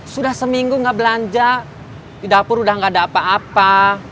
sudah seminggu nggak belanja di dapur udah gak ada apa apa